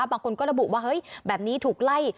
บางคนก็ระบุว่าเฮ้ยแบบนี้ถูกไล่